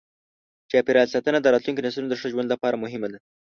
چاپېریال ساتنه د راتلونکو نسلونو د ښه ژوند لپاره مهمه ده.